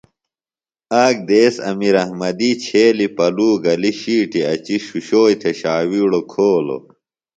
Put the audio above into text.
آک دیس امیر احمدی چھیلیۡ پلو گلیۡ شیٹی اچی شِشوئی تھےۡ شاوِیڑوۡ کھولوۡ۔